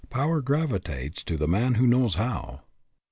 Power gravitates to the man who knows how.